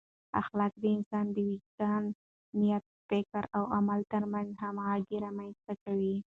اخلاق د انسان د وجدان، نیت، فکر او عمل ترمنځ همغږۍ رامنځته کوي.